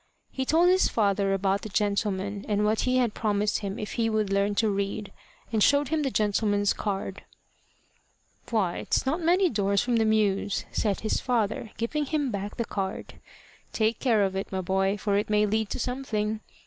He told his father about the gentleman, and what he had promised him if he would learn to read, and showed him the gentleman's card. "Why, it's not many doors from the Mews!" said his father, giving him back the card. "Take care of it, my boy, for it may lead to something.